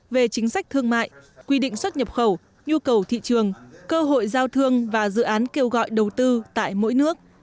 về chính sách thương mại quy định xuất nhập khẩu nhu cầu thị trường cơ hội giao thương và dự án kêu gọi đầu tư tại mỗi nước